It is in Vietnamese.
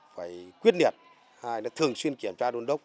phải quyết liệt thường xuyên kiểm tra đôn đốc